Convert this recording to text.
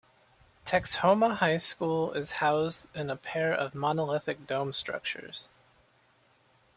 Texhoma High School is housed in a pair of monolithic dome structures.